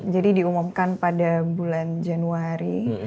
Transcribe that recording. jadi diumumkan pada bulan januari